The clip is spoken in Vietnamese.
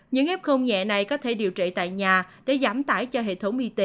những f nhẹ này có thể điều trị tại nhà để giảm tải cho hệ thống y tế